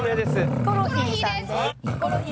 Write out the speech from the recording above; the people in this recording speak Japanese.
ヒコロヒーさんです。